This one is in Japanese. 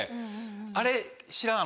あれ知らん？